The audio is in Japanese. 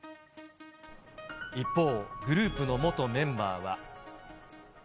一方、グループの元メンバーは。